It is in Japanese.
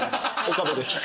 岡部です。